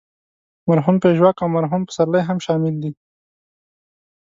مرحوم پژواک او مرحوم پسرلی هم شامل دي.